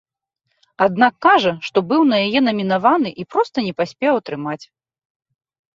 Аднак кажа, што быў на яе намінаваны і проста не паспеў атрымаць.